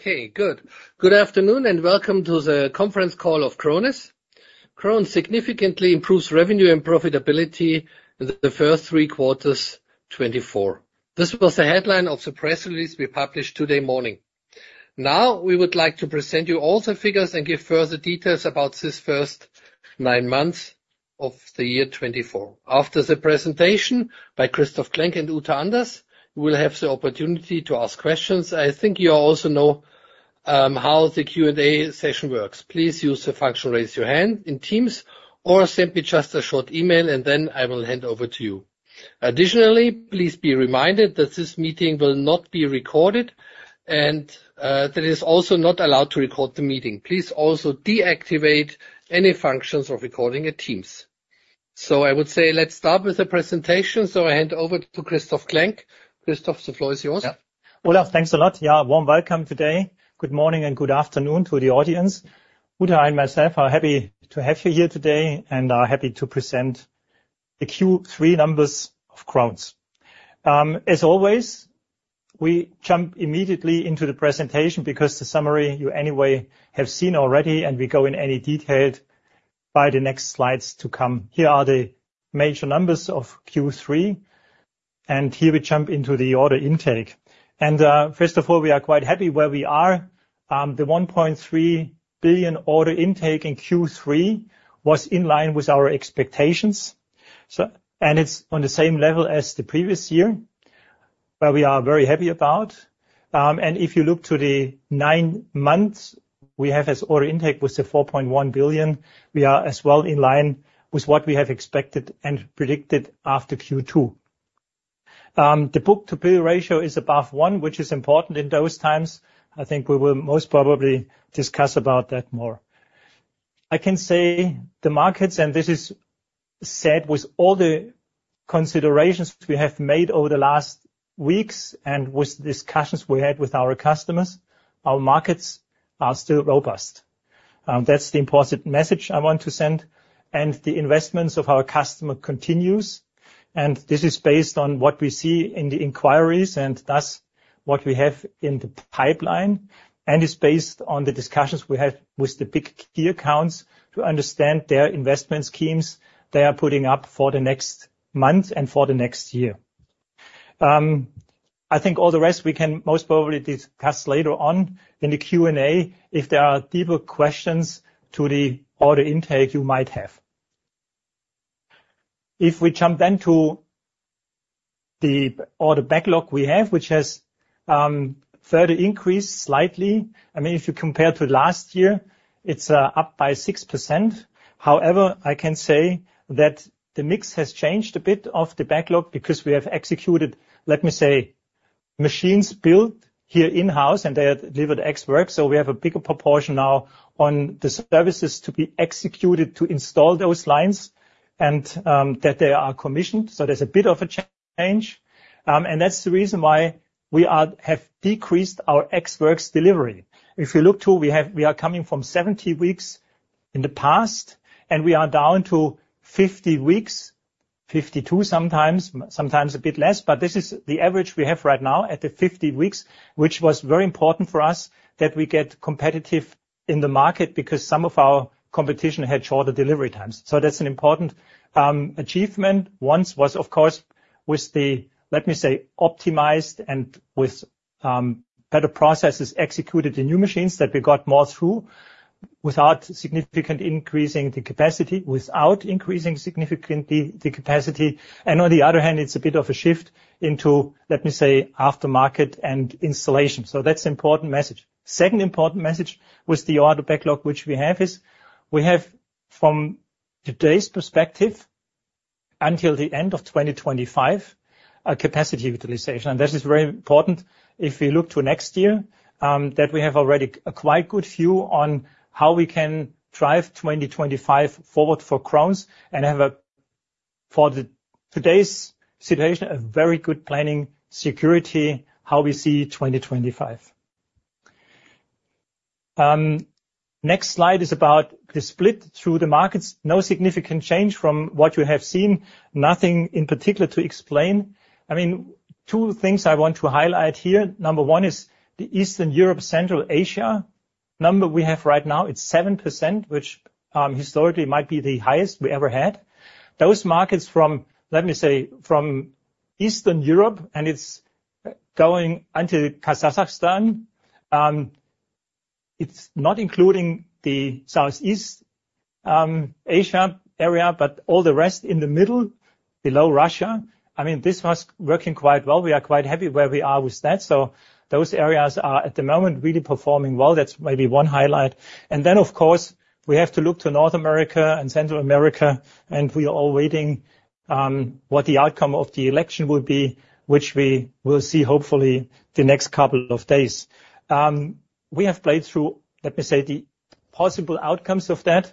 Okay, good. Good afternoon and welcome to the conference call of Krones. Krones significantly improves revenue and profitability in the first three quarters 2024. This was the headline of the press release we published today morning. Now, we would like to present you all the figures and give further details about this first nine months of the year 2024. After the presentation by Christoph Klenk and Uta Anders, we'll have the opportunity to ask questions. I think you also know how the Q&A session works. Please use the function "Raise Your Hand" in Teams or send me just a short email, and then I will hand over to you. Additionally, please be reminded that this meeting will not be recorded and that it is also not allowed to record the meeting. Please also deactivate any functions of recording in Teams. So I would say let's start with the presentation. So I hand over to Christoph Klenk. Christoph, the floor is yours. Olaf, thanks a lot. Yeah, warm welcome today. Good morning and good afternoon to the audience. Uta and myself are happy to have you here today and are happy to present the Q3 numbers of Krones. As always, we jump immediately into the presentation because the summary you anyway have seen already, and we go into any detail by the next slides to come. Here are the major numbers of Q3, and here we jump into the order intake. And first of all, we are quite happy where we are. The 1.3 billion order intake in Q3 was in line with our expectations, and it's on the same level as the previous year, where we are very happy about. And if you look to the nine months we have as order intake was 4.1 billion, we are as well in line with what we have expected and predicted after Q2. The book-to-bill ratio is above one, which is important in those times. I think we will most probably discuss about that more. I can say the markets, and this is said with all the considerations we have made over the last weeks and with discussions we had with our customers, our markets are still robust. That's the important message I want to send. The investments of our customer continues, and this is based on what we see in the inquiries and thus what we have in the pipeline, and is based on the discussions we had with the big key accounts to understand their investment schemes they are putting up for the next month and for the next year. I think all the rest we can most probably discuss later on in the Q&A if there are deeper questions to the order intake you might have. If we jump then to the order backlog we have, which has further increased slightly. I mean, if you compare to last year, it's up by 6%. However, I can say that the mix has changed a bit of the backlog because we have executed, let me say, machines built here in-house, and they delivered ex works. So we have a bigger proportion now on the services to be executed to install those lines and that they are commissioned. So there's a bit of a change, and that's the reason why we have decreased our ex works delivery. If you look to, we are coming from 70 weeks in the past, and we are down to 50 weeks, 52 sometimes, sometimes a bit less, but this is the average we have right now at the 50 weeks, which was very important for us that we get competitive in the market because some of our competition had shorter delivery times. So that's an important achievement. One was, of course, with the, let me say, optimized and with better processes executed in new machines that we got more through without significant increasing the capacity, without increasing significantly the capacity. On the other hand, it's a bit of a shift into, let me say, aftermarket and installation. So that's an important message. Second important message with the order backlog, which we have, is we have, from today's perspective, until the end of 2025, a capacity utilization. And this is very important if we look to next year that we have already a quite good view on how we can drive 2025 forward for Krones and have, for today's situation, a very good planning security how we see 2025. Next slide is about the split through the markets. No significant change from what you have seen. Nothing in particular to explain. I mean, two things I want to highlight here. Number one is the Eastern Europe, Central Asia. Number we have right now, it's 7%, which historically might be the highest we ever had. Those markets from, let me say, from Eastern Europe, and it's going until Kazakhstan. It's not including the Southeast Asia area, but all the rest in the middle below Russia. I mean, this was working quite well. We are quite happy where we are with that. So those areas are at the moment really performing well. That's maybe one highlight. And then, of course, we have to look to North America and Central America, and we are all waiting what the outcome of the election will be, which we will see hopefully the next couple of days. We have played through, let me say, the possible outcomes of that.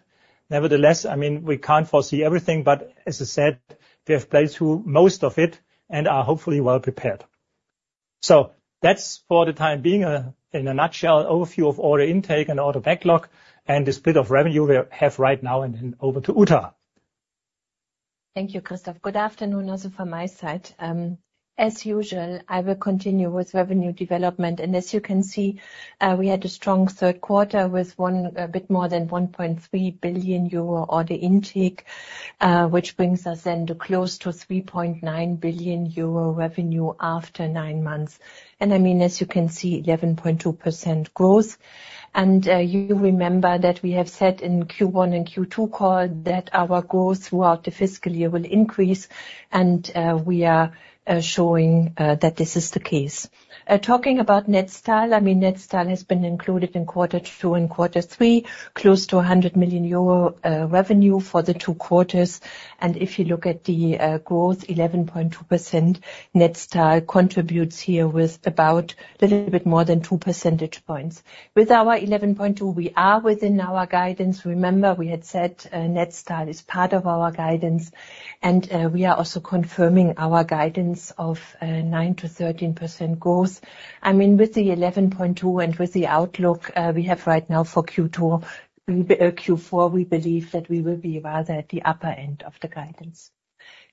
Nevertheless, I mean, we can't foresee everything, but as I said, we have played through most of it and are hopefully well prepared. So that's for the time being in a nutshell, overview of order intake and order backlog and the split of revenue we have right now. And then over to Uta. Thank you, Christoph. Good afternoon also from my side. As usual, I will continue with revenue development. And as you can see, we had a strong third quarter with a bit more than 1.3 billion euro order intake, which brings us then to close to 3.9 billion euro revenue after nine months. And I mean, as you can see, 11.2% growth. And you remember that we have said in Q1 and Q2 call that our growth throughout the fiscal year will increase, and we are showing that this is the case. Talking about Netstal, I mean, Netstal has been included in quarter two and quarter three, close to 100 million euro revenue for the two quarters. And if you look at the growth, 11.2% Netstal contributes here with about a little bit more than two percentage points. With our 11.2, we are within our guidance. Remember, we had said Netstal is part of our guidance, and we are also confirming our guidance of 9%-13% growth. I mean, with the 11.2 and with the outlook we have right now for Q4, we believe that we will be rather at the upper end of the guidance.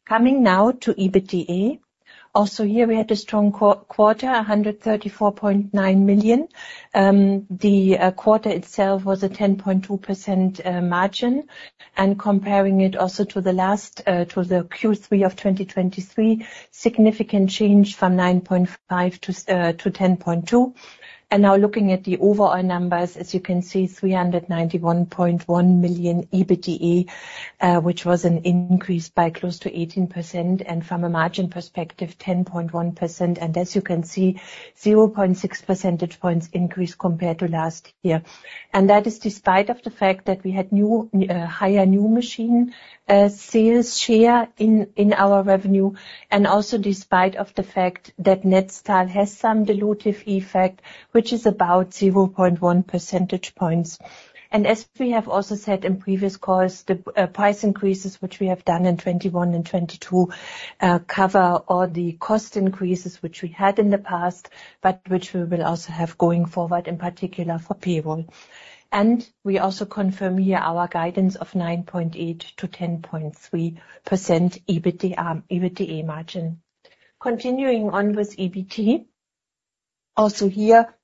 Coming now to EBITDA. Also here, we had a strong quarter, 134.9 million. The quarter itself was a 10.2% margin. And comparing it also to the last, to the Q3 of 2023, significant change from 9.5%-0.2%. And now looking at the overall numbers, as you can see, 391.1 million EBITDA, which was an increase by close to 18%. And from a margin perspective, 10.1%. And as you can see, 0.6 percentage points increase compared to last year. That is despite the fact that we had higher new machine sales share in our revenue, and also despite the fact that Netstal has some dilutive effect, which is about 0.1 percentage points. As we have also said in previous calls, the price increases, which we have done in 2021 and 2022, cover all the cost increases which we had in the past, but which we will also have going forward, in particular for payroll. We also confirm here our guidance of 9.8%-10.3% EBITDA margin. Continuing on with EBT, also here,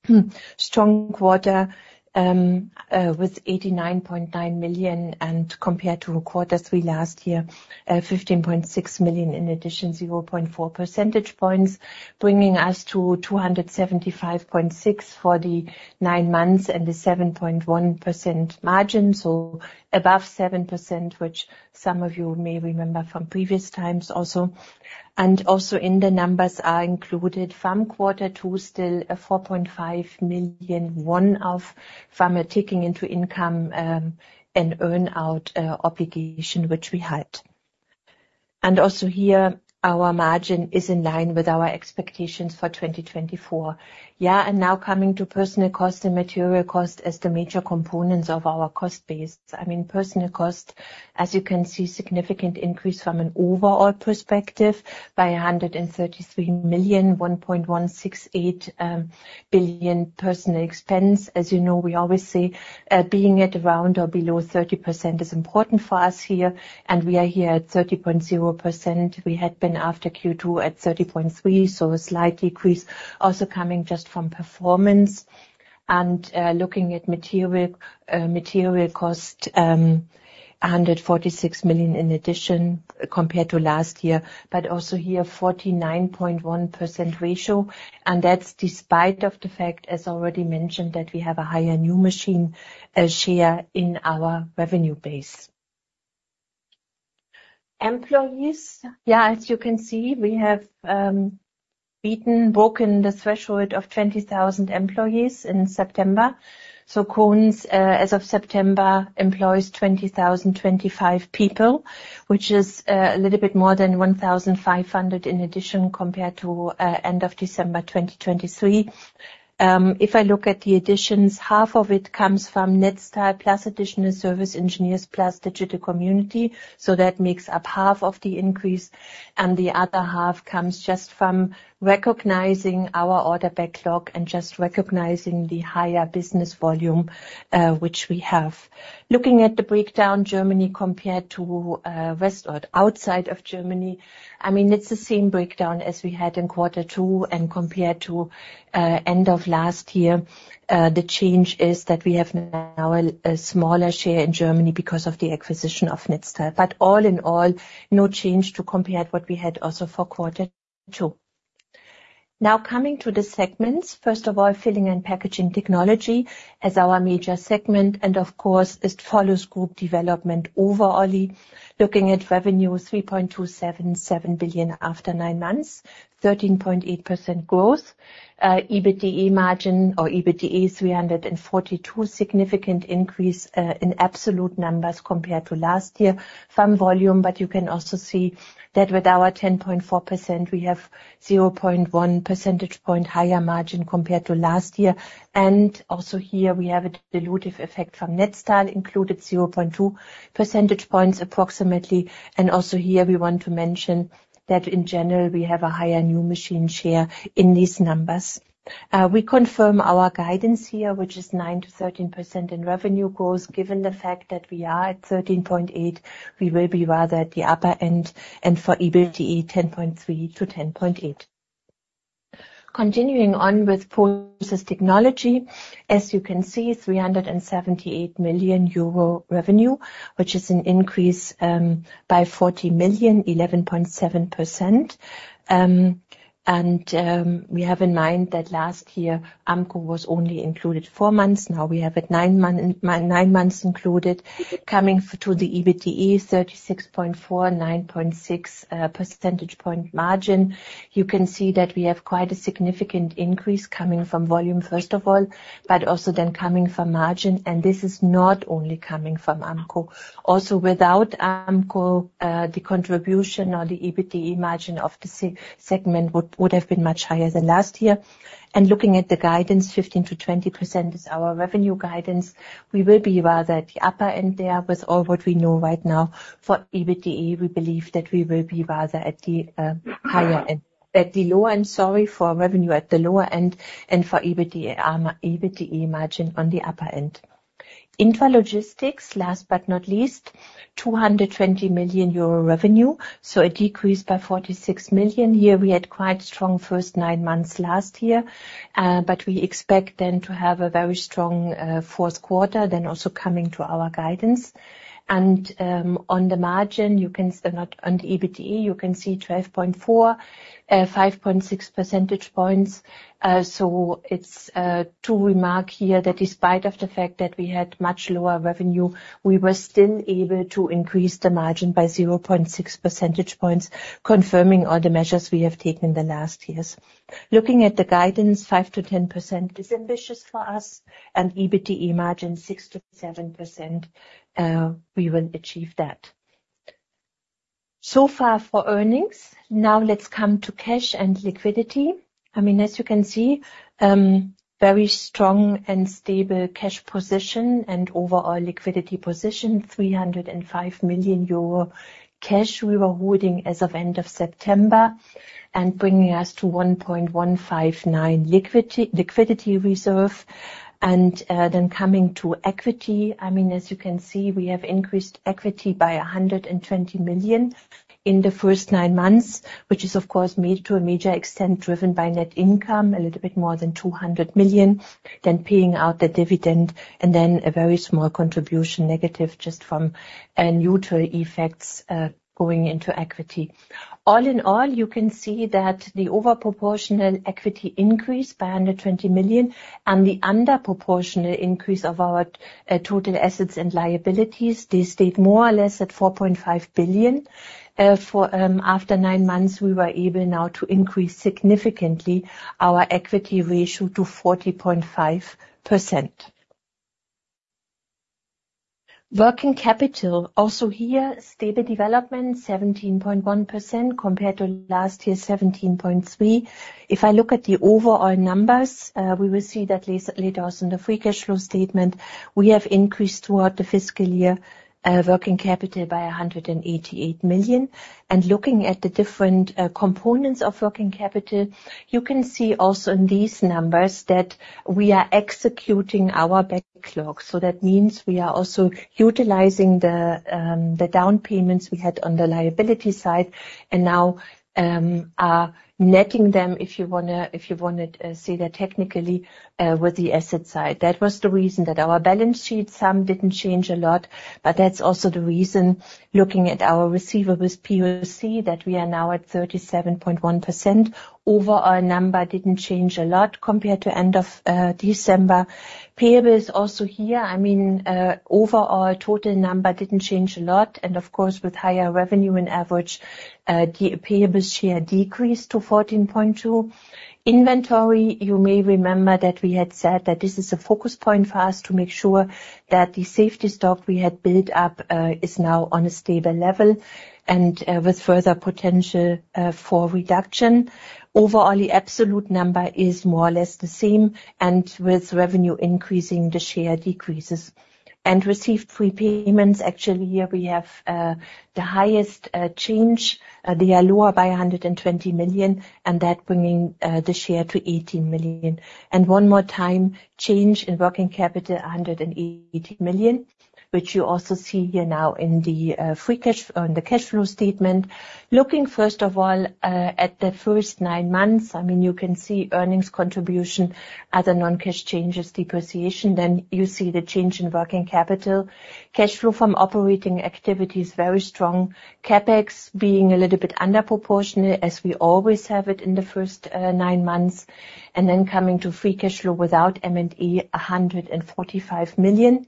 strong quarter with 89.9 million, and compared to quarter three last year, 15.6 million in addition, 0.4 percentage points, bringing us to 275.6 million for the nine months and the 7.1% margin. Above 7%, which some of you may remember from previous times also. And also in the numbers are included from quarter two, still EUR 4.5 million, one-off from a taken into income and earn-out obligation, which we had. And also here, our margin is in line with our expectations for 2024. Yeah, and now coming to personnel cost and material cost as the major components of our cost base. I mean, personnel cost, as you can see, significant increase from an overall perspective by 133 million, 1.168 billion personnel expense. As you know, we always say being at around or below 30% is important for us here, and we are here at 30.0%. We had been after Q2 at 30.3%, so a slight decrease also coming just from performance. And looking at material cost, 146 million in addition compared to last year, but also here 49.1% ratio. That's despite the fact, as already mentioned, that we have a higher new machine share in our revenue base. Employees, yeah, as you can see, we have broken the threshold of 20,000 employees in September. Krones, as of September, employs 20,025 people, which is a little bit more than 1,500 in addition compared to end of December 2023. If I look at the additions, half of it comes from Netstal plus additional service engineers plus digital community. That makes up half of the increase, and the other half comes just from recognizing our order backlog and just recognizing the higher business volume which we have. Looking at the breakdown, Germany compared to rest or outside of Germany, I mean, it's the same breakdown as we had in quarter two and compared to end of last year. The change is that we have now a smaller share in Germany because of the acquisition of Netstal, but all in all, no change to compare what we had also for quarter two. Now coming to the segments, first of all, Filling and Packaging Technology as our major segment, and of course, it follows group development overall. Looking at revenue, 3.277 billion after nine months, 13.8% growth. EBITDA margin or EBITDA 342 million, significant increase in absolute numbers compared to last year from volume, but you can also see that with our 10.4%, we have 0.1 percentage point higher margin compared to last year, and also here, we have a dilutive effect from Netstal, included 0.2 percentage points approximately, and also here, we want to mention that in general, we have a higher new machine share in these numbers. We confirm our guidance here, which is 9%-13% in revenue growth. Given the fact that we are at 13.8, we will be rather at the upper end, and for EBITDA, 10.3%-10.8%. Continuing on with Process Technology, as you can see, 378 million euro revenue, which is an increase by 40 million, 11.7%. And we have in mind that last year, Ampco was only included four months. Now we have nine months included. Coming to the EBITDA, 36.4, 9.6 percentage point margin. You can see that we have quite a significant increase coming from volume, first of all, but also then coming from margin. And this is not only coming from Ampco. Also without Ampco, the contribution or the EBITDA margin of the segment would have been much higher than last year. Looking at the guidance, 15%-20% is our revenue guidance. We will be rather at the upper end there with all what we know right now. For EBITDA, we believe that we will be rather at the higher end, at the lower end, sorry, for revenue at the lower end, and for EBITDA margin on the upper end. Intralogistics, last but not least, 220 million euro revenue, so a decrease by 46 million. Here we had quite strong first nine months last year, but we expect then to have a very strong fourth quarter, then also coming to our guidance, and on the margin, you can see on the EBITDA, you can see 12.4%, 5.6 percentage points. So it's to remark here that despite the fact that we had much lower revenue, we were still able to increase the margin by 0.6 percentage points, confirming all the measures we have taken in the last years. Looking at the guidance, 5%-10% is ambitious for us, and EBITDA margin 6%-7%, we will achieve that. So far for earnings. Now let's come to cash and liquidity. I mean, as you can see, very strong and stable cash position and overall liquidity position, 305 million euro cash we were holding as of end of September and bringing us to 1.159 billion liquidity reserve. And then coming to equity, I mean, as you can see, we have increased equity by 120 million in the first nine months, which is, of course, made to a major extent driven by net income, a little bit more than 200 million, then paying out the dividend, and then a very small contribution negative just from neutral effects going into equity. All in all, you can see that the overproportional equity increase by 120 million and the underproportional increase of our total assets and liabilities, they stayed more or less at 4.5 billion. After nine months, we were able now to increase significantly our equity ratio to 40.5%. Working capital, also here, stable development, 17.1% compared to last year, 17.3%. If I look at the overall numbers, we will see that later on in the free cash flow statement, we have increased throughout the fiscal year working capital by 188 million. And looking at the different components of working capital, you can see also in these numbers that we are executing our backlog. So that means we are also utilizing the down payments we had on the liability side and now are netting them, if you want to see that technically, with the asset side. That was the reason that our balance sheet sum didn't change a lot, but that's also the reason looking at our receivables PoC that we are now at 37.1%. Overall number didn't change a lot compared to end of December. Payables also here, I mean, overall total number didn't change a lot. Of course, with higher revenue in average, the payables share decreased to 14.2%. Inventory, you may remember that we had said that this is a focus point for us to make sure that the safety stock we had built up is now on a stable level and with further potential for reduction. Overall, the absolute number is more or less the same, and with revenue increasing, the share decreases. Advance payments, actually here we have the highest change. They are lower by 120 million, and that bringing the share to 18%. And one more time, change in working capital, 180 million, which you also see here now in the free cash flow on the cash flow statement. Looking first of all at the first nine months, I mean, you can see earnings contribution, other non-cash changes, depreciation, then you see the change in working capital. Cash flow from operating activity is very strong. CapEx being a little bit underproportional, as we always have it in the first nine months. And then coming to free cash flow without M&A, 145 million.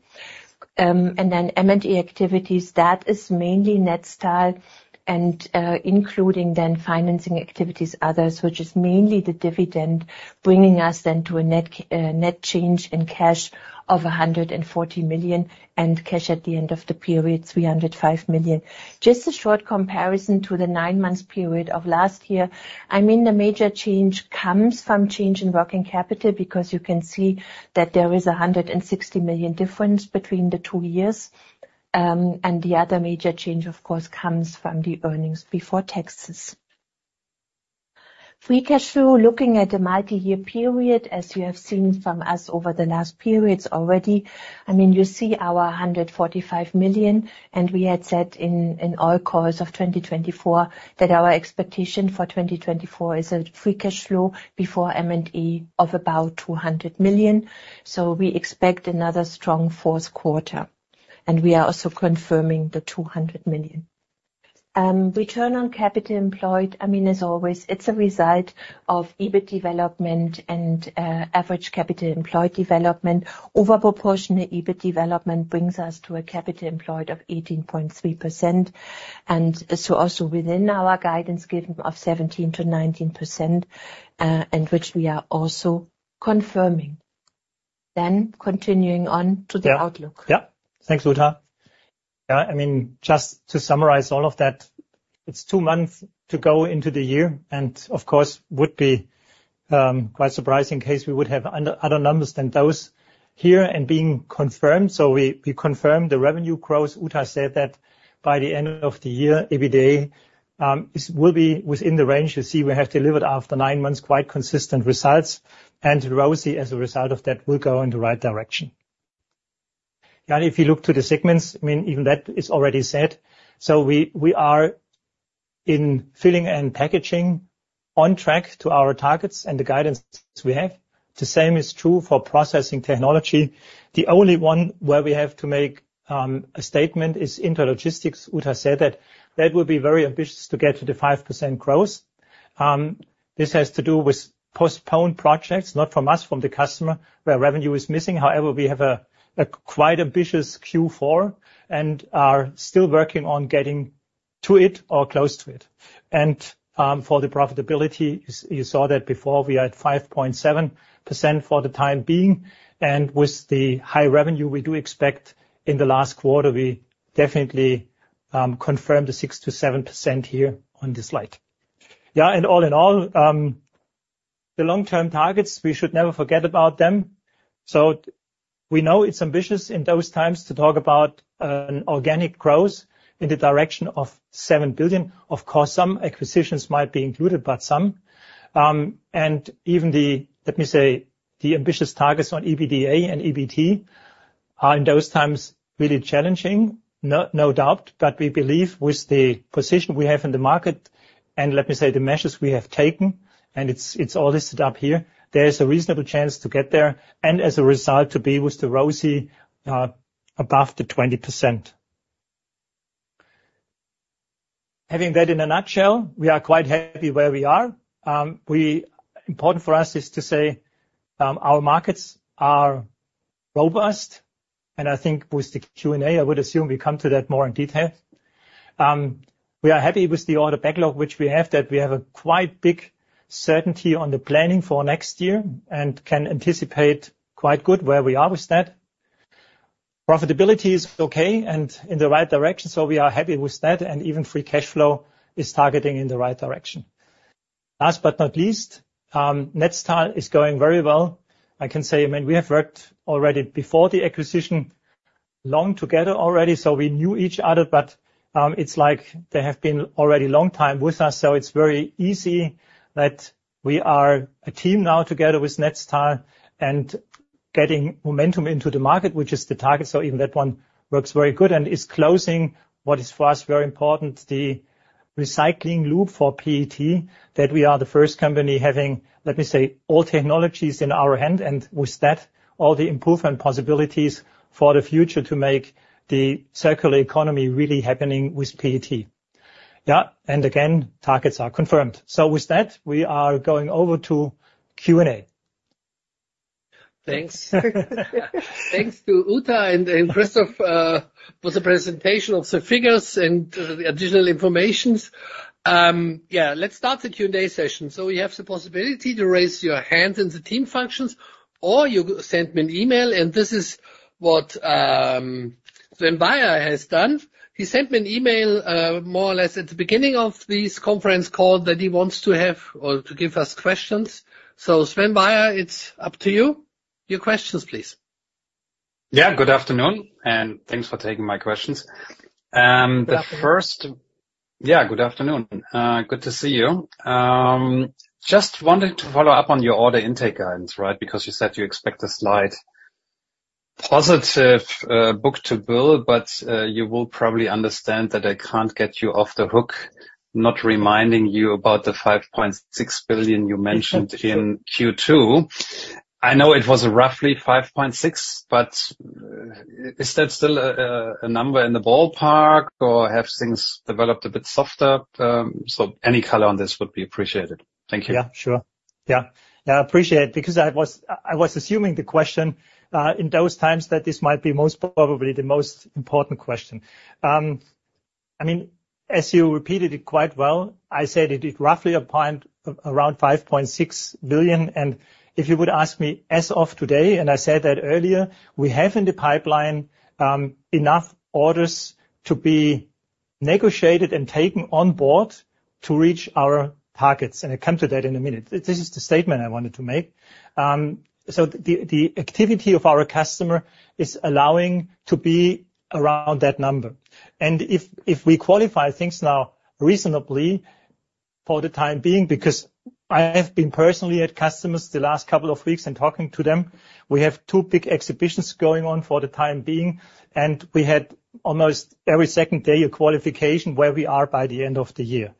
And then M&A activities, that is mainly Netstal and including then financing activities, others, which is mainly the dividend, bringing us then to a net change in cash of 140 million and cash at the end of the period, 305 million. Just a short comparison to the nine-month period of last year. I mean, the major change comes from change in working capital because you can see that there is a 160 million difference between the two years. And the other major change, of course, comes from the earnings before taxes. Free cash flow, looking at the multi-year period, as you have seen from us over the last periods already, I mean, you see our 145 million, and we had said in all calls of 2024 that our expectation for 2024 is a free cash flow before M&A of about 200 million. So we expect another strong fourth quarter, and we are also confirming the 200 million. Return on capital employed, I mean, as always, it's a result of EBIT development and average capital employed development. Overproportional EBIT development brings us to a capital employed of 18.3%. And so also within our guidance given of 17%-19%, and which we are also confirming. Then continuing on to the outlook. Yeah, thanks, Uta. Yeah, I mean, just to summarize all of that, it's two months to go into the year, and of course, would be quite surprising in case we would have other numbers than those here and being confirmed. So we confirm the revenue growth. Uta said that by the end of the year, EBITDA will be within the range. You see, we have delivered after nine months quite consistent results, and ROCE, as a result of that, will go in the right direction. Yeah, and if you look to the segments, I mean, even that is already said. So we are in filling and packaging on track to our targets and the guidance we have. The same is true for processing technology. The only one where we have to make a statement is Intralogistics. Uta said that that will be very ambitious to get to the 5% growth. This has to do with postponed projects, not from us, from the customer, where revenue is missing. However, we have a quite ambitious Q4 and are still working on getting to it or close to it. For the profitability, you saw that before, we are at 5.7% for the time being. With the high revenue we do expect in the last quarter, we definitely confirm the 6%-7% here on this slide. Yeah, and all in all, the long-term targets, we should never forget about them. We know it's ambitious in those times to talk about an organic growth in the direction of 7 billion. Of course, some acquisitions might be included, but some. Even the, let me say, the ambitious targets on EBITDA and EBT are in those times really challenging, no doubt. We believe with the position we have in the market and let me say the measures we have taken, and it's all listed up here, there is a reasonable chance to get there and as a result to be with the ROCE above the 20%. Having that in a nutshell, we are quite happy where we are. Important for us is to say our markets are robust. I think with the Q&A, I would assume we come to that more in detail. We are happy with the order backlog, which we have, that we have a quite big certainty on the planning for next year and can anticipate quite good where we are with that. Profitability is okay and in the right direction, so we are happy with that, and even free cash flow is targeting in the right direction. Last but not least, Netstal is going very well. I can say, I mean, we have worked already before the acquisition long together already, so we knew each other, but it's like they have been already a long time with us, so it's very easy that we are a team now together with Netstal and getting momentum into the market, which is the target. So even that one works very good and is closing what is for us very important, the recycling loop for PET, that we are the first company having, let me say, all technologies in our hand, and with that, all the improvement possibilities for the future to make the circular economy really happening with PET. Yeah, and again, targets are confirmed. So with that, we are going over to Q&A. Thanks. Thanks to Uta and Christoph for the presentation of the figures and the additional information. Yeah, let's start the Q&A session. So you have the possibility to raise your hand in the Teams functions, or you send me an email, and this is what Sven Weier has done. He sent me an email more or less at the beginning of this conference call that he wants to have or to give us questions. So Sven Weier, it's up to you. Your questions, please. Yeah, good afternoon, and thanks for taking my questions. The first, yeah, good afternoon. Good to see you. Just wanted to follow up on your order intake guidance, right? Because you said you expect a slight positive book to bill, but you will probably understand that I can't get you off the hook not reminding you about the 5.6 billion you mentioned in Q2. I know it was roughly 5.6, but is that still a number in the ballpark or have things developed a bit softer? So any color on this would be appreciated. Thank you. Yeah, sure. Yeah, yeah, I appreciate it because I was assuming the question in those times that this might be most probably the most important question. I mean, as you repeated it quite well, I said it roughly applied around 5.6 billion. And if you would ask me as of today, and I said that earlier, we have in the pipeline enough orders to be negotiated and taken on board to reach our targets. And I come to that in a minute. This is the statement I wanted to make. So the activity of our customer is allowing to be around that number. And if we qualify things now reasonably for the time being, because I have been personally at customers the last couple of weeks and talking to them, we have two big exhibitions going on for the time being, and we had almost every second day a qualification where we are by the end of the year.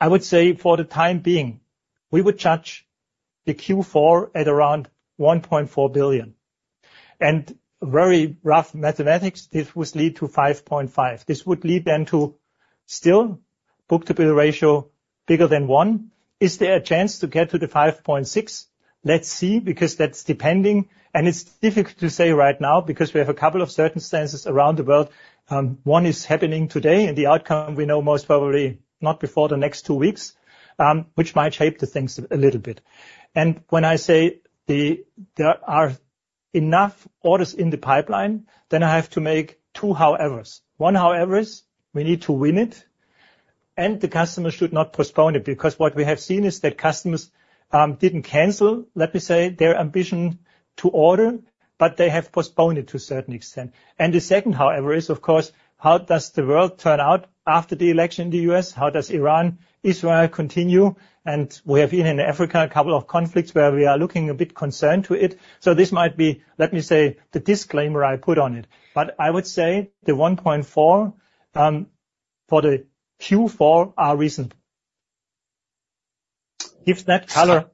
I would say for the time being, we would judge the Q4 at around 1.4 billion. And very rough mathematics, this would lead to 5.5 billion. This would lead then to still book-to-bill ratio bigger than one. Is there a chance to get to the 5.6? Let's see, because that's depending. And it's difficult to say right now because we have a couple of circumstances around the world. One is happening today, and the outcome we know most probably not before the next two weeks, which might shape the things a little bit. And when I say there are enough orders in the pipeline, then I have to make two howevers. One however is we need to win it, and the customer should not postpone it because what we have seen is that customers didn't cancel, let me say, their ambition to order, but they have postponed it to a certain extent. And the second however is, of course, how does the world turn out after the election in the U.S.? How does Iran, Israel continue? And we have been in Africa a couple of conflicts where we are looking a bit concerned to it. So this might be, let me say, the disclaimer I put on it. But I would say the 1.4 for the Q4 are recent. That gives that color.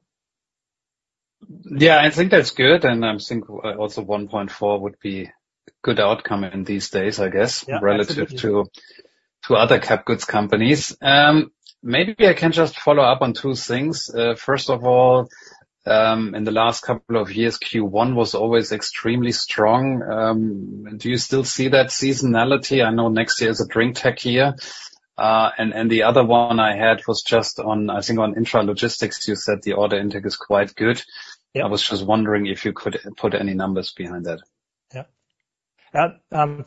Yeah, I think that's good. And I think also 1.4 would be a good outcome in these days, I guess, relative to other capital goods companies. Maybe I can just follow up on two things. First of all, in the last couple of years, Q1 was always extremely strong. Do you still see that seasonality? I know next year is a drinktec year. And the other one I had was just on, I think, on intralogistics. You said the order intake is quite good. I was just wondering if you could put any numbers behind that. Yeah.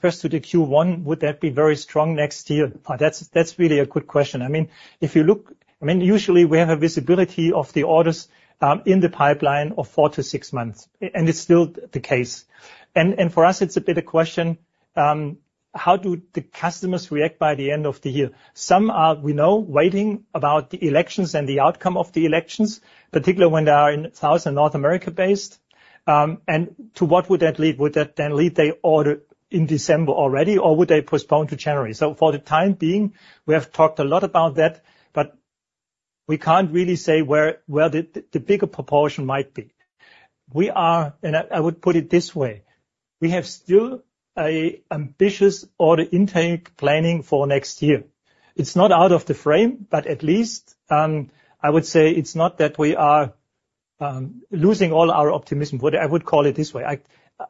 First to the Q1, would that be very strong next year? That's really a good question. I mean, if you look, I mean, usually we have a visibility of the orders in the pipeline of four to six months, and it's still the case. And for us, it's a bit of question, how do the customers react by the end of the year? Some are, we know, waiting about the elections and the outcome of the elections, particularly when they are in South and North America based. And to what would that lead? Would that then lead they order in December already, or would they postpone to January? So for the time being, we have talked a lot about that, but we can't really say where the bigger proportion might be. We are, and I would put it this way, we have still an ambitious order intake planning for next year. It's not out of the frame, but at least I would say it's not that we are losing all our optimism, what I would call it this way.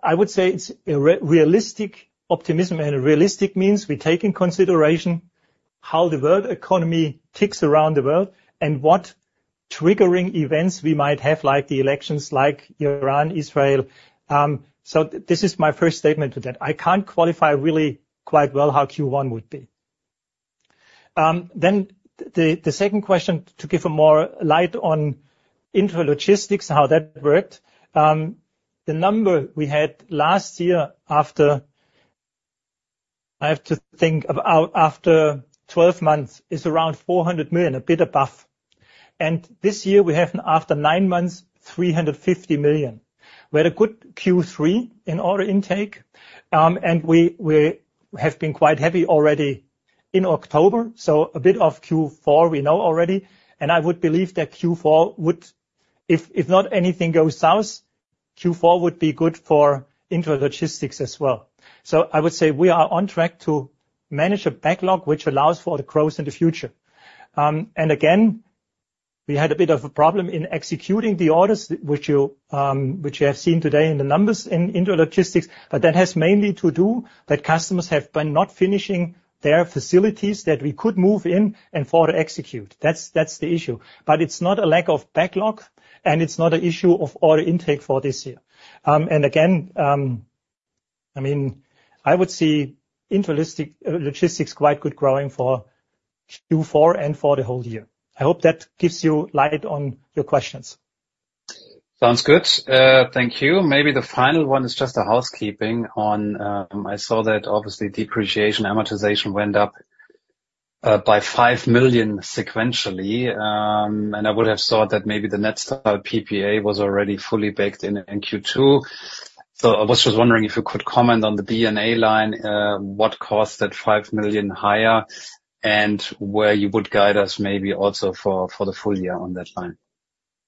I would say it's a realistic optimism, and a realistic means we take in consideration how the world economy ticks around the world and what triggering events we might have, like the elections, like Iran, Israel. So this is my first statement to that. I can't qualify really quite well how Q1 would be. Then the second question to give more light on intralogistics, how that worked, the number we had last year after, I have to think about after 12 months is around 400 million, a bit above, and this year we have after nine months, 350 million. We had a good Q3 in order intake, and we have been quite heavy already in October. So a bit of Q4 we know already. And I would believe that Q4 would, if not anything goes south, Q4 would be good for Intralogistics as well. So I would say we are on track to manage a backlog which allows for the growth in the future. And again, we had a bit of a problem in executing the orders, which you have seen today in the numbers in Intralogistics, but that has mainly to do that customers have been not finishing their facilities that we could move in and forward to execute. That's the issue. But it's not a lack of backlog, and it's not an issue of order intake for this year. And again, I mean, I would see Intralogistics quite good growing for Q4 and for the whole year. I hope that gives you light on your questions. Sounds good. Thank you. Maybe the final one is just a housekeeping on I saw that obviously depreciation amortization went up by 5 million sequentially, and I would have thought that maybe the Netstal PPA was already fully baked in Q2. So I was just wondering if you could comment on the D&A line, what caused that 5 million higher and where you would guide us maybe also for the full year on that line.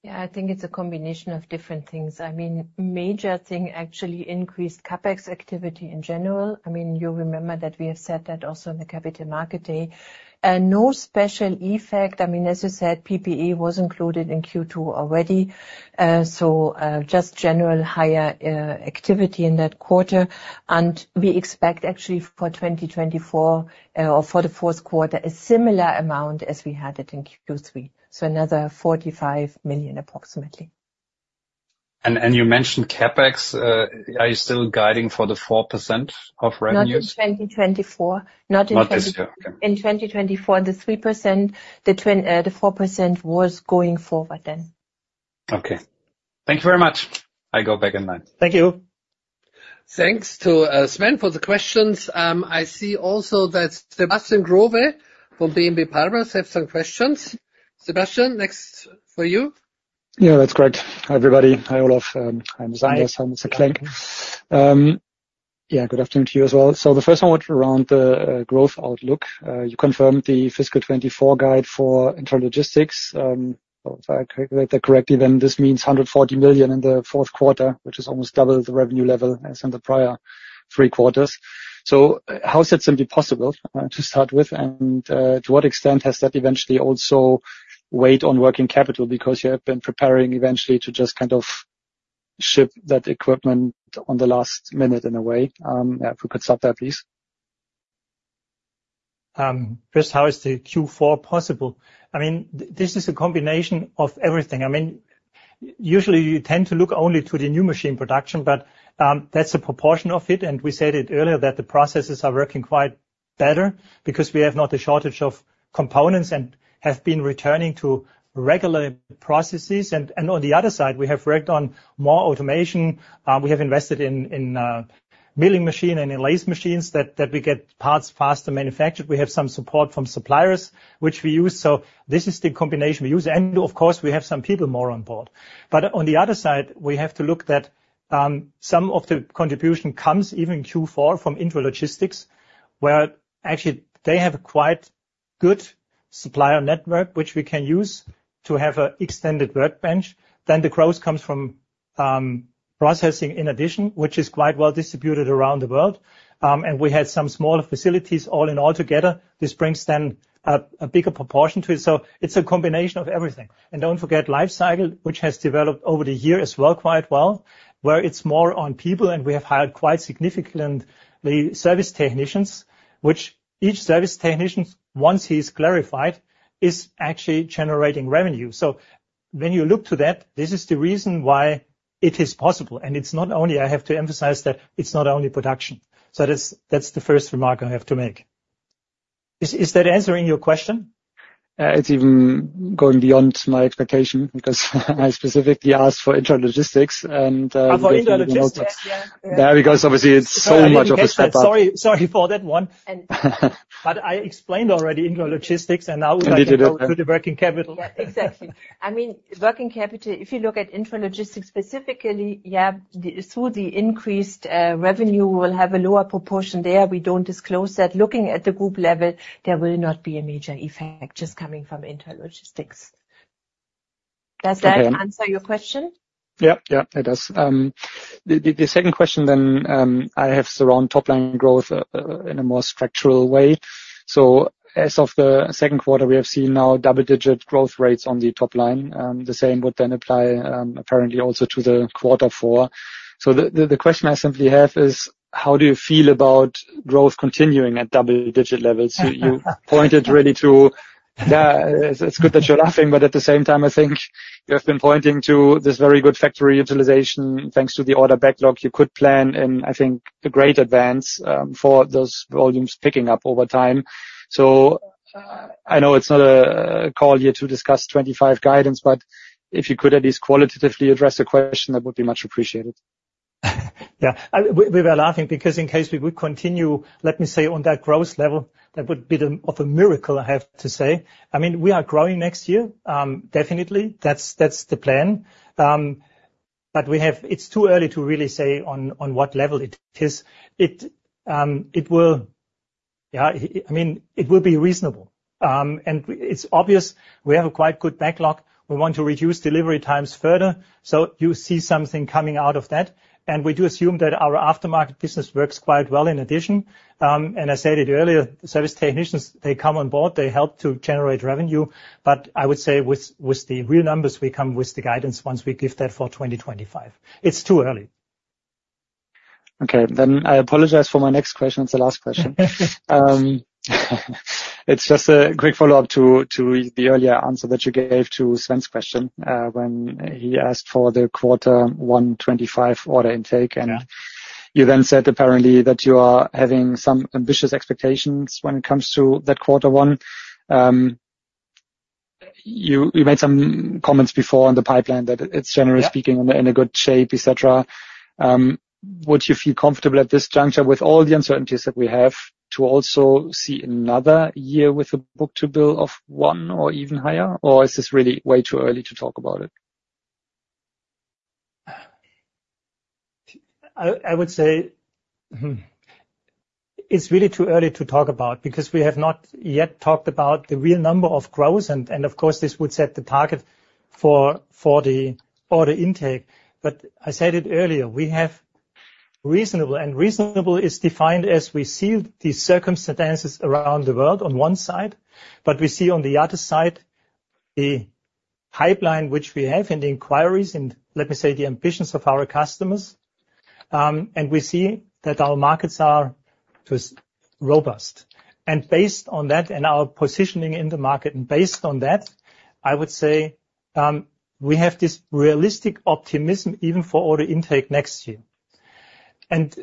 Yeah, I think it's a combination of different things. I mean, major thing actually increased CapEx activity in general. I mean, you remember that we have said that also in the Capital Market Day. No special effect. I mean, as you said, PPA was included in Q2 already. So just general higher activity in that quarter. And we expect actually for 2024 or for the fourth quarter, a similar amount as we had it in Q3. So another 45 million approximately. And you mentioned CapEx. Are you still guiding for the 4% of revenue? Not in 2024. Not this year. In 2024, the 3%, the 4% was going forward then. Okay. Thank you very much. I go back in line. Thank you. Thanks to Sven for the questions. I see also that Sebastian Growe from BNP Paribas have some questions. Sebastian, next for you. Yeah, that's great. Hi everybody. Hi Olaf. I'm Anders. I'm Mr. Klenk. Yeah, good afternoon to you as well. So the first one was around the growth outlook. You confirmed the fiscal 2024 guide for intralogistics. If I calculate that correctly, then this means 140 million in the fourth quarter, which is almost double the revenue level as in the prior three quarters. So how is that simply possible to start with? And to what extent has that eventually also weighed on working capital because you have been preparing eventually to just kind of ship that equipment on the last minute in a way? If we could top that, please. "Chris, how is the Q4 possible?" I mean, this is a combination of everything. I mean, usually you tend to look only to the new machine production, but that's a proportion of it. And we said it earlier that the processes are working quite better because we have not a shortage of components and have been returning to regular processes. And on the other side, we have worked on more automation. We have invested in milling machines and lathes machines that we get parts faster manufactured. We have some support from suppliers, which we use. So this is the combination we use. And of course, we have some people more on board. But on the other side, we have to look at that some of the contribution comes even in Q4 from intralogistics, where actually they have a quite good supplier network, which we can use to have an extended workbench. Then the growth comes from processing in addition, which is quite well distributed around the world. And we had some smaller facilities all in all together. This brings then a bigger proportion to it. So it's a combination of everything. And don't forget Lifecycle, which has developed over the year as well quite well, where it's more on people. And we have hired quite significantly service technicians, which each service technician, once he is qualified, is actually generating revenue. So when you look at that, this is the reason why it is possible. And it's not only. I have to emphasize that it's not only production. That's the first remark I have to make. Is that answering your question? It's even going beyond my expectation because I specifically asked for Intralogistics and. Yeah, because obviously it's so much of a step up. Sorry for that one. But I explained already Intralogistics and now we have to go to the working capital. Yeah, exactly. I mean, working capital, if you look at Intralogistics specifically, yeah, through the increased revenue, we will have a lower proportion there. We don't disclose that. Looking at the group level, there will not be a major effect just coming from Intralogistics. Does that answer your question? Yep, yep, it does. The second question then I have regarding top-line growth in a more structural way. So as of the second quarter, we have seen now double-digit growth rates on the top line. The same would then apply, apparently, also to the quarter four, so the question I simply have is, how do you feel about growth continuing at double-digit levels? You pointed really to, yeah, it's good that you're laughing, but at the same time, I think you have been pointing to this very good factory utilization thanks to the order backlog. You could plan in, I think, a great advance for those volumes picking up over time, so I know it's not a call here to discuss 2025 guidance, but if you could at least qualitatively address the question, that would be much appreciated. Yeah, we were laughing because in case we would continue, let me say on that growth level, that would be of a miracle, I have to say. I mean, we are growing next year, definitely. That's the plan. But it's too early to really say on what level it is. It will, yeah, I mean, it will be reasonable. And it's obvious we have a quite good backlog. We want to reduce delivery times further. So you see something coming out of that. And we do assume that our aftermarket business works quite well in addition. And I said it earlier, service technicians, they come on board. They help to generate revenue. But I would say with the real numbers, we come with the guidance once we give that for 2025. It's too early. Okay. Then I apologize for my next question. It's the last question. It's just a quick follow-up to the earlier answer that you gave to Sven's question when he asked for the quarter one 2025 order intake. You then said apparently that you are having some ambitious expectations when it comes to that quarter one. You made some comments before on the pipeline that it's generally speaking in a good shape, etc. Would you feel comfortable at this juncture with all the uncertainties that we have to also see another year with a book-to-bill of one or even higher? Or is this really way too early to talk about it? I would say it's really too early to talk about because we have not yet talked about the real number of growth. And of course, this would set the target for the order intake. But I said it earlier, we have reasonable, and reasonable is defined as we see the circumstances around the world on one side, but we see on the other side the pipeline which we have and the inquiries and, let me say, the ambitions of our customers. And we see that our markets are robust. And based on that and our positioning in the market, and based on that, I would say we have this realistic optimism even for order intake next year. And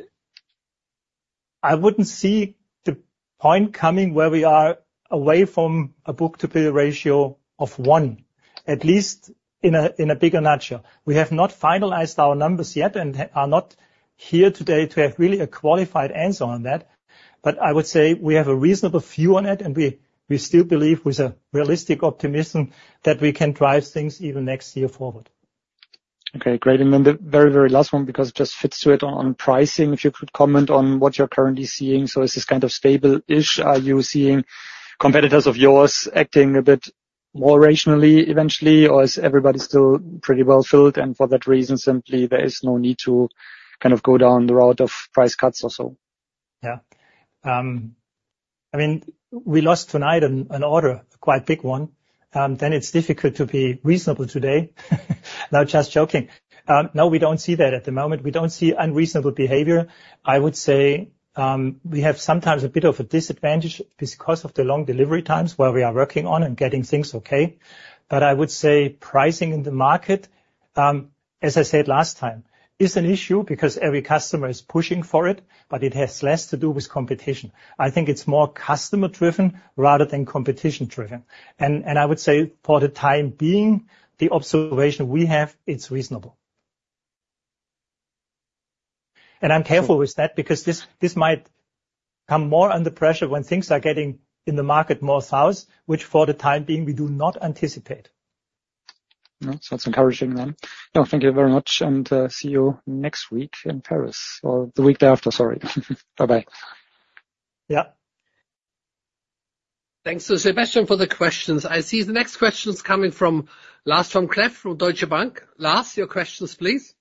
I wouldn't see the point coming where we are away from a book-to-bill ratio of one, at least in a bigger nutshell. We have not finalized our numbers yet and are not here today to have really a qualified answer on that. But I would say we have a reasonable view on it, and we still believe with a realistic optimism that we can drive things even next year forward. Okay, great. And then the very, very last one because it just fits to it on pricing, if you could comment on what you're currently seeing. So is this kind of stable-ish? Are you seeing competitors of yours acting a bit more rationally eventually, or is everybody still pretty well filled? And for that reason, simply, there is no need to kind of go down the route of price cuts or so. Yeah. I mean, we lost tonight an order, a quite big one. Then it's difficult to be reasonable today. No, just joking. No, we don't see that at the moment. We don't see unreasonable behavior. I would say we have sometimes a bit of a disadvantage because of the long delivery times where we are working on and getting things okay. But I would say pricing in the market, as I said last time, is an issue because every customer is pushing for it, but it has less to do with competition. I think it's more customer-driven rather than competition-driven. And I would say for the time being, the observation we have, it's reasonable. And I'm careful with that because this might come more under pressure when things are getting in the market more south, which for the time being, we do not anticipate. No, so that's encouraging then. No, thank you very much. And see you next week in Paris or the week thereafter, sorry. Bye-bye. Yeah. Thanks to Sebastian for the questions. I see the next questions coming from Lars Vom Cleff from Deutsche Bank. Lars, your questions, please.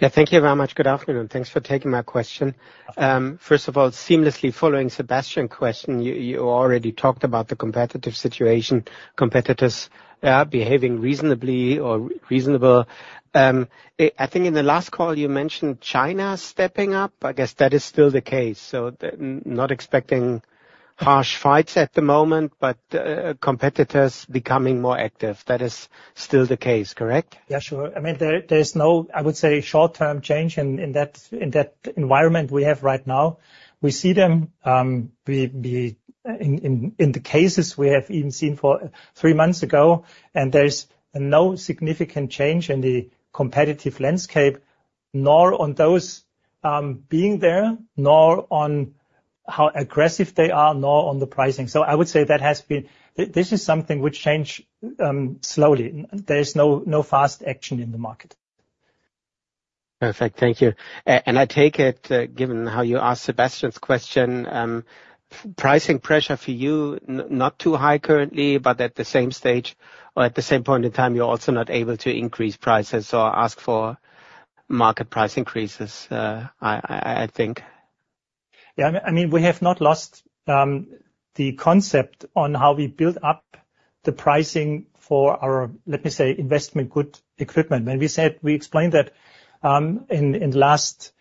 Yeah, thank you very much. Good afternoon. Thanks for taking my question. First of all, seamlessly following Sebastian's question, you already talked about the competitive situation, competitors behaving reasonably or reasonable. I think in the last call, you mentioned China stepping up? I guess that is still the case. So not expecting harsh fights at the moment, but competitors becoming more active. That is still the case, correct? Yeah, sure. I mean, there's no, I would say, short-term change in that environment we have right now. We see them in the cases we have even seen for three months ago, and there's no significant change in the competitive landscape, nor on those being there, nor on how aggressive they are, nor on the pricing. So, I would say that has been this is something which changed slowly. There's no fast action in the market. Perfect. Thank you. And I take it, given how you answered Sebastian's question, pricing pressure for you, not too high currently, but at the same stage or at the same point in time, you're also not able to increase prices or ask for market price increases, I think. Yeah, I mean, we have not lost the concept on how we build up the pricing for our, let me say, investment good equipment. When we said we explained that in the last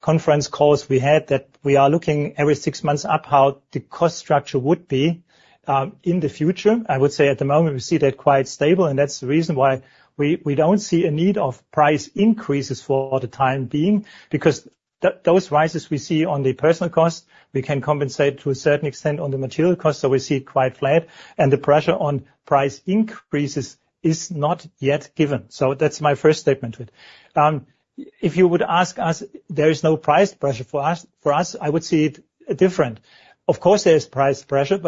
conference calls we had, that we are looking every six months up how the cost structure would be in the future. I would say at the moment, we see that quite stable. That's the reason why we don't see a need of price increases for the time being because those rises we see on the personnel cost, we can compensate to a certain extent on the material cost. So we see it quite flat. The pressure on price increases is not yet given. That's my first statement to it. If you would ask us, there is no price pressure for us, I would see it different. Of course, there is price pressure,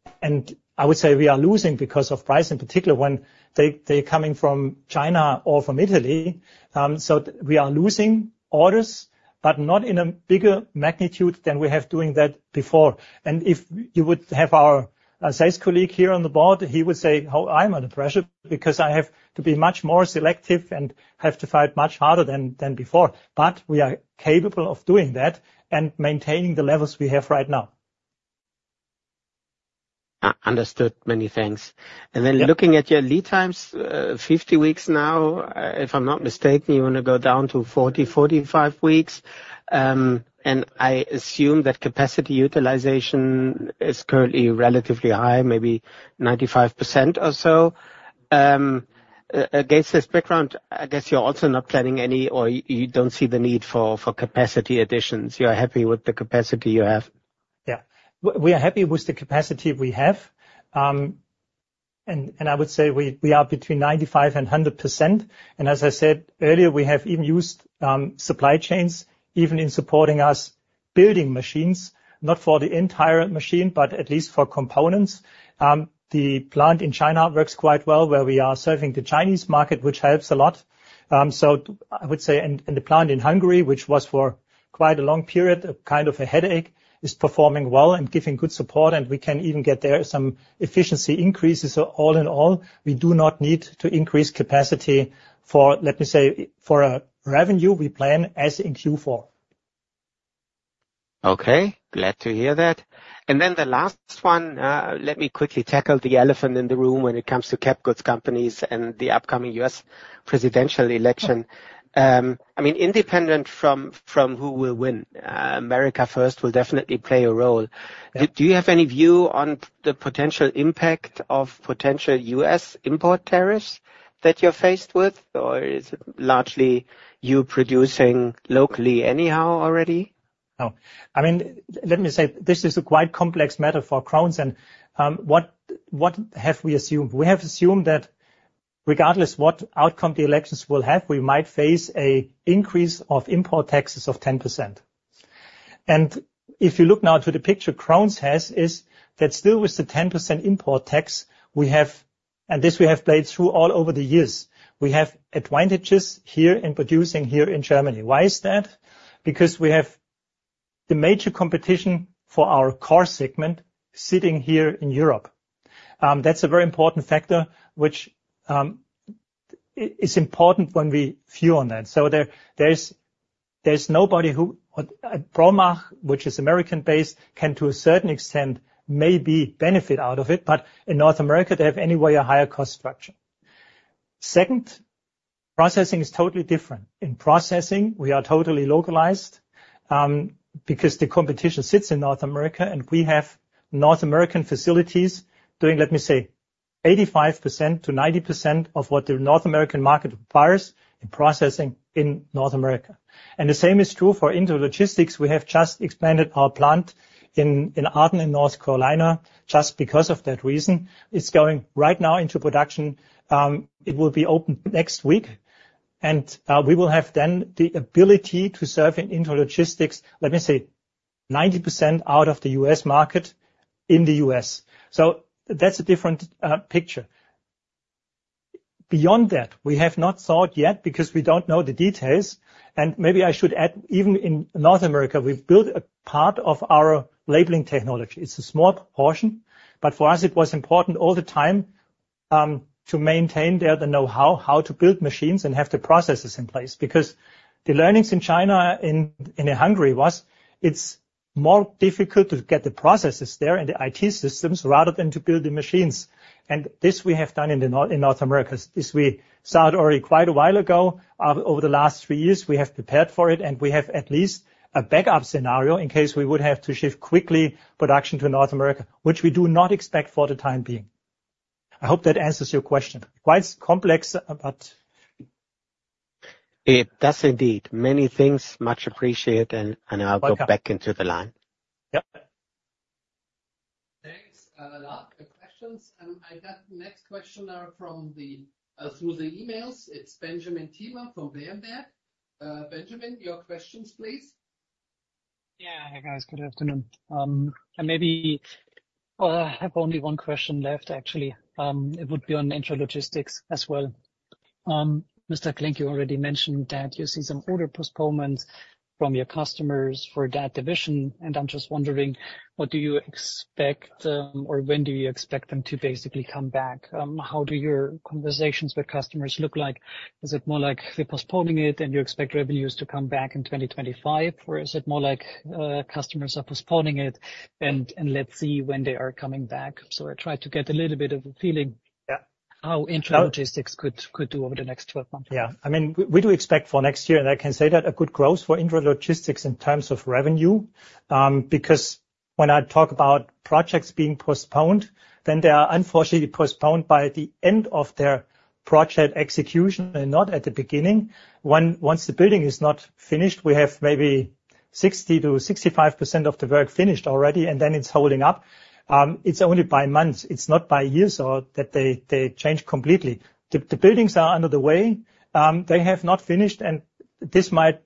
and I would say we are losing because of price in particular when they are coming from China or from Italy. We are losing orders, but not in a bigger magnitude than we have doing that before. If you would have our sales colleague here on the board, he would say, "Oh, I'm under pressure because I have to be much more selective and have to fight much harder than before." But we are capable of doing that and maintaining the levels we have right now. Understood. Many thanks. And then looking at your lead times, 50 weeks now, if I'm not mistaken, you want to go down to 40-45 weeks. And I assume that capacity utilization is currently relatively high, maybe 95% or so. Against this background, I guess you're also not planning any, or you don't see the need for capacity additions. You're happy with the capacity you have. Yeah, we are happy with the capacity we have. And I would say we are between 95% and 100%. As I said earlier, we have even used supply chains even in supporting us building machines, not for the entire machine, but at least for components. The plant in China works quite well where we are serving the Chinese market, which helps a lot. So I would say in the plant in Hungary, which was for quite a long period, kind of a headache, is performing well and giving good support. And we can even get there some efficiency increases. All in all, we do not need to increase capacity for, let me say, for a revenue we plan as in Q4. Okay. Glad to hear that. And then the last one, let me quickly tackle the elephant in the room when it comes to capital goods companies and the upcoming U.S. presidential election. I mean, independent from who will win, America First will definitely play a role. Do you have any view on the potential impact of potential U.S. import tariffs that you're faced with, or is it largely you producing locally anyhow already? No. I mean, let me say, this is a quite complex matter for Krones. And what have we assumed? We have assumed that regardless what outcome the elections will have, we might face an increase of import taxes of 10%. And if you look now to the picture Krones has, it is still with the 10% import tax we have, and this we have played through all over the years, we have advantages here in producing here in Germany. Why is that? Because we have the major competition for our core segment sitting here in Europe. That's a very important factor, which is important when we build on that. So there's nobody who [Brunner], which is American-based, can to a certain extent maybe benefit out of it. But in North America, they have anyway a higher cost structure. Second, processing is totally different. In processing, we are totally localized because the competition sits in North America, and we have North American facilities doing, let me say, 85%-90% of what the North American market requires in processing in North America. And the same is true for Intralogistics. We have just expanded our plant in Arden, North Carolina just because of that reason. It's going right now into production. It will be opened next week. And we will have then the ability to serve in Intralogistics, let me say, 90% out of the U.S. market in the U.S. So that's a different picture. Beyond that, we have not thought yet because we don't know the details. And maybe I should add, even in North America, we've built a part of our labeling technology. It's a small portion, but for us, it was important all the time to maintain there the know-how how to build machines and have the processes in place because the learnings in China and in Hungary was, it's more difficult to get the processes there and the IT systems rather than to build the machines. And this we have done in North America. This we started already quite a while ago. Over the last three years, we have prepared for it, and we have at least a backup scenario in case we would have to shift quickly production to North America, which we do not expect for the time being. I hope that answers your question. Quite complex, but. It does indeed. Many thanks, much appreciated, and I'll go back into the line. Yep. Thanks a lot. Good questions, and I got the next question from through the emails. It's Benjamin Thielmann from Berenberg. Benjamin, your questions, please. Yeah, hi guys. Good afternoon, and maybe I have only one question left, actually. It would be on Intralogistics as well. Mr. Klenk, you already mentioned that you see some order postponements from your customers for that division. And I'm just wondering, what do you expect or when do you expect them to basically come back? How do your conversations with customers look like? Is it more like they're postponing it and you expect revenues to come back in 2025, or is it more like customers are postponing it and let's see when they are coming back? So I tried to get a little bit of a feeling how Intralogistics could do over the next 12 months. Yeah. I mean, we do expect for next year, and I can say that a good growth for Intralogistics in terms of revenue because when I talk about projects being postponed, then they are unfortunately postponed by the end of their project execution and not at the beginning. Once the building is not finished, we have maybe 60%-65% of the work finished already, and then it's holding up. It's only by months. It's not by years or that they change completely. The buildings are underway. They have not finished, and this might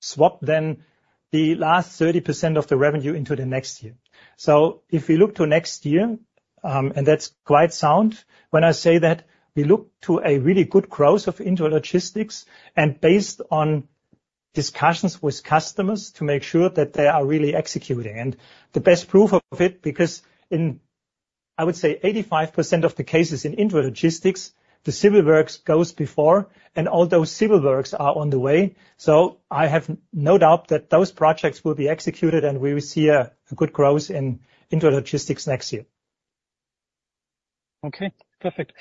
swap then the last 30% of the revenue into the next year. So if we look to next year, and that's quite sound, when I say that we look to a really good growth of Intralogistics and based on discussions with customers to make sure that they are really executing. And the best proof of it, because in, I would say, 85% of the cases in Intralogistics, the civil works goes before, and all those civil works are on the way. So I have no doubt that those projects will be executed, and we will see a good growth in Intralogistics next year. Okay. Perfect.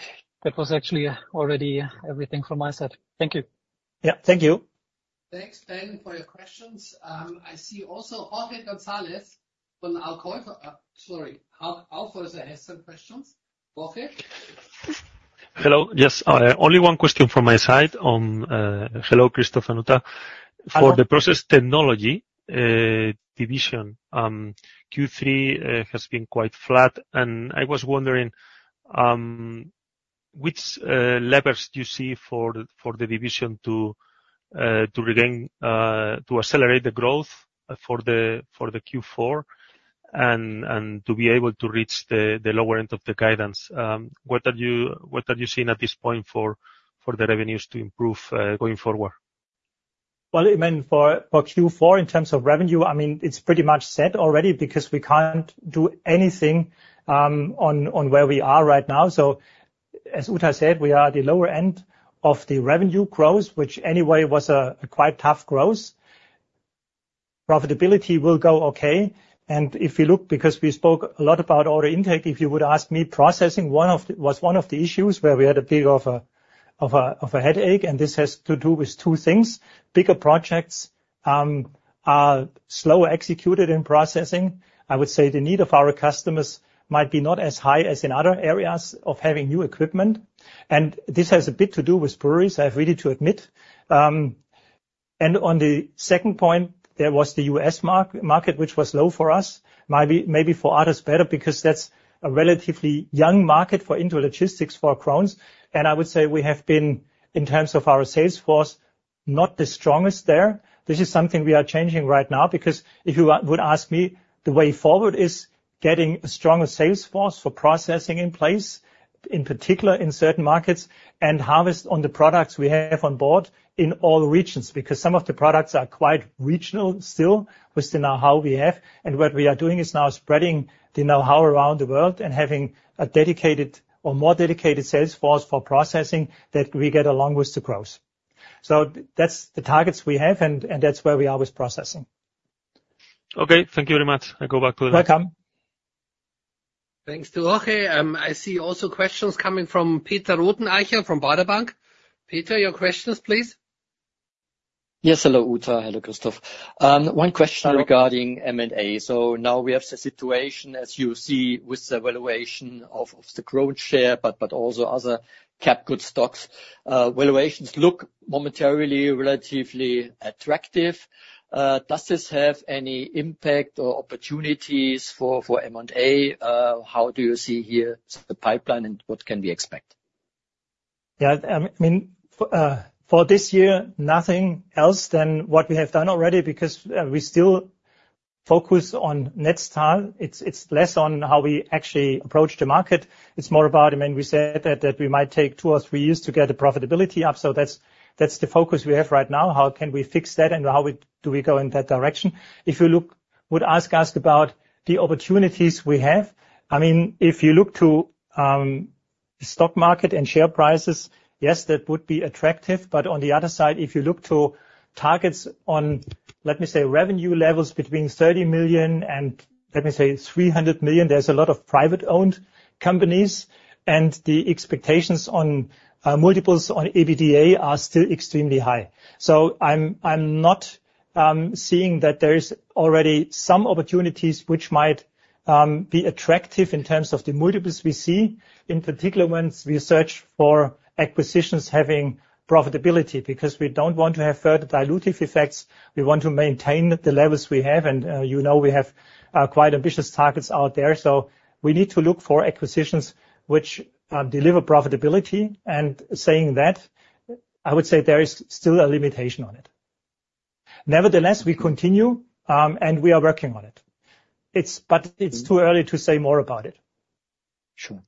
That was actually already everything from my side. Thank you. Yeah. Thank you. Thanks, Ben, for your questions. I see also Jorge González from Alcoy. Sorry. Hauck Aufhäuser, has some questions. Jorge? Hello. Yes. Only one question from my side on. Hello, Christoph and Uta. For the Process Technology division, Q3 has been quite flat. And I was wondering which levers do you see for the division to regain, to accelerate the growth for the Q4 and to be able to reach the lower end of the guidance? What are you seeing at this point for the revenues to improve going forward? I mean, for Q4 in terms of revenue, I mean, it's pretty much set already because we can't do anything on where we are right now, so as Uta said, we are at the lower end of the revenue growth, which anyway was a quite tough growth. Profitability will go okay, and if you look, because we spoke a lot about order intake, if you would ask me, processing was one of the issues where we had a bit of a headache, and this has to do with two things. Bigger projects are slower executed in processing. I would say the need of our customers might be not as high as in other areas of having new equipment, and this has a bit to do with breweries, I have really to admit. And on the second point, there was the U.S. market, which was low for us. Maybe for others better because that's a relatively young market for Intralogistics for Krones. And I would say we have been, in terms of our sales force, not the strongest there. This is something we are changing right now because if you would ask me, the way forward is getting a stronger sales force for processing in place, in particular in certain markets, and harvest on the products we have on board in all regions because some of the products are quite regional still with the know-how we have. And what we are doing is now spreading the know-how around the world and having a dedicated or more dedicated sales force for processing that we get along with the growth. So that's the targets we have, and that's where we are with processing. Okay. Thank you very much. I'll go back to the line. Welcome. Thanks to Jorge. I see also questions coming from Peter Rothenaicher from Baader Bank. Peter, your questions, please. Yes. Hello, Uta. Hello, Christoph. One question regarding M&A. So now we have the situation, as you see, with the valuation of the Krones share, but also other capital goods stocks. Valuations look momentarily relatively attractive. Does this have any impact or opportunities for M&A? How do you see here the pipeline and what can we expect? Yeah. I mean, for this year, nothing else than what we have done already because we still focus on Netstal. It's less on how we actually approach the market. It's more about, I mean, we said that we might take two or three years to get the profitability up. So that's the focus we have right now. How can we fix that and how do we go in that direction? If you would ask us about the opportunities we have, I mean, if you look to stock market and share prices, yes, that would be attractive. But on the other side, if you look to targets on, let me say, revenue levels between 30 million and, let me say, 300 million, there's a lot of privately owned companies. And the expectations on multiples on EBITDA are still extremely high. So I'm not seeing that there's already some opportunities which might be attractive in terms of the multiples we see, in particular ones we search for acquisitions having profitability because we don't want to have further dilutive effects. We want to maintain the levels we have. And you know we have quite ambitious targets out there. So we need to look for acquisitions which deliver profitability. And saying that, I would say there is still a limitation on it. Nevertheless, we continue and we are working on it. But it's too early to say more about it. Sure.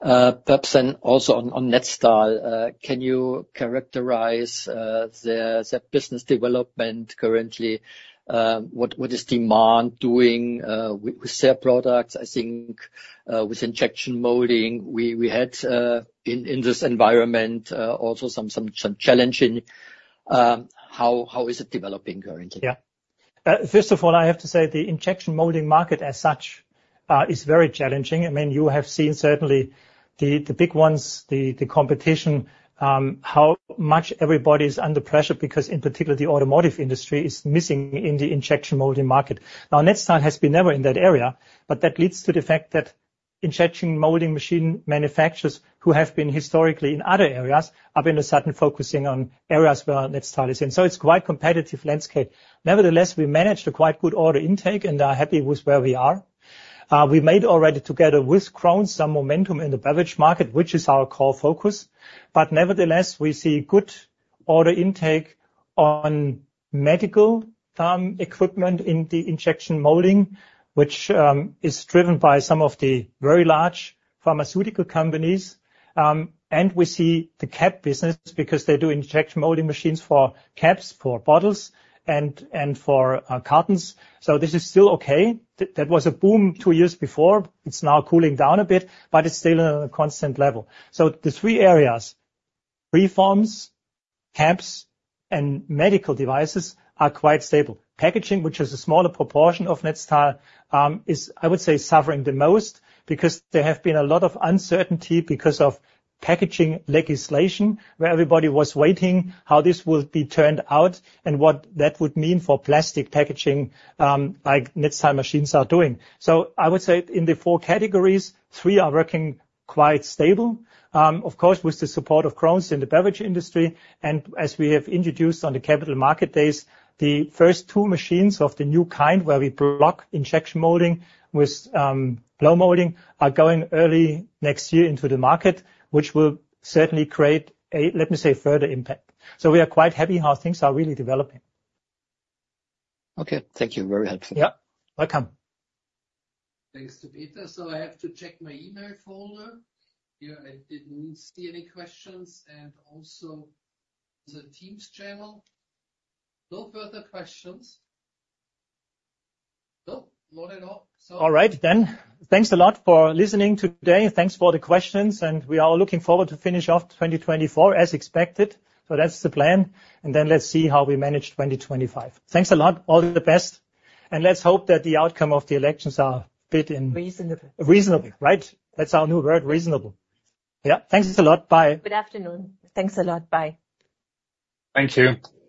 Perhaps then also on Netstal, can you characterize the business development currently? What is demand doing with their products? I think with injection molding, we had in this environment also some challenges. How is it developing currently? Yeah. First of all, I have to say the injection molding market as such is very challenging. I mean, you have seen certainly the big ones, the competition, how much everybody is under pressure because in particular the automotive industry is missing in the injection molding market. Now, Netstal has been never in that area, but that leads to the fact that injection molding machine manufacturers who have been historically in other areas have been suddenly focusing on areas where Netstal is in. So it's quite a competitive landscape. Nevertheless, we managed a quite good order intake and are happy with where we are. We made already together with Krones some momentum in the beverage market, which is our core focus. But nevertheless, we see good order intake on medical equipment in the injection molding, which is driven by some of the very large pharmaceutical companies. And we see the cap business because they do injection molding machines for caps, for bottles, and for cartons. So this is still okay. That was a boom two years before. It's now cooling down a bit, but it's still at a constant level. So the three areas, preforms, caps, and medical devices are quite stable. Packaging, which is a smaller proportion of Netstal, is, I would say, suffering the most because there has been a lot of uncertainty because of packaging legislation where everybody was waiting how this will turn out and what that would mean for plastic packaging like Netstal machines are doing. So I would say in the four categories, three are working quite stable, of course, with the support of Krones in the beverage industry. And as we have introduced on the Capital Market Days, the first two machines of the new kind where we block injection molding with blow molding are going early next year into the market, which will certainly create, let me say, further impact. So we are quite happy how things are really developing. Okay. Thank you. Very helpful. Yeah. Welcome. Thanks to Peter. So I have to check my email folder. Here, I didn't see any questions, and also the Teams channel. No further questions. No, not at all. All right then. Thanks a lot for listening today, thanks for the questions, and we are all looking forward to finish off 2024 as expected. So that's the plan, and then let's see how we manage 2025. Thanks a lot. All the best, and let's hope that the outcome of the elections are a bit more. Reasonable. Reasonable, right? That's our new word, reasonable. Yeah. Thanks a lot. Bye. Good afternoon. Thanks a lot. Bye. Thank you.